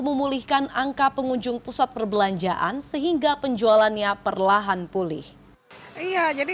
memulihkan angka pengunjung pusat perbelanjaan sehingga penjualannya perlahan pulih iya jadi